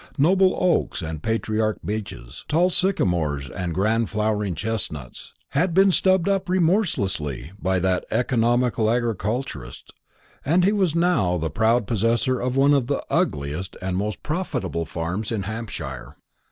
Noble old oaks and patriarch beeches, tall sycamores and grand flowering chestnuts, had been stubbed up remorselessly by that economical agriculturist; and he was now the proud possessor of one of the ugliest and most profitable farms in Hampshire.